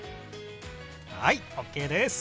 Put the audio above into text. はいＯＫです！